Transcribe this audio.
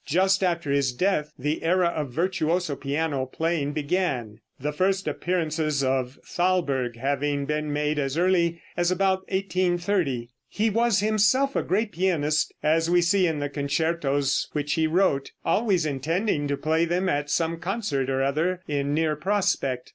Just after his death the era of virtuoso piano playing began, the first appearances of Thalberg having been made as early as about 1830. He was himself a great pianist, as we see in the concertos which he wrote, always intending to play them at some concert or other in near prospect.